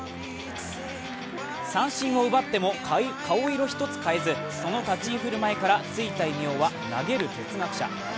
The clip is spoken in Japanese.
三振を奪っても顔色一つ変えず、その立ち居振る舞いからついた異名は投げる哲学者。